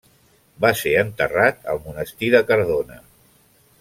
Va ser enterrat al monestir de Cardona.